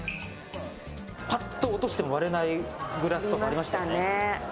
パッと落としても、割れないグラスとかありましたね。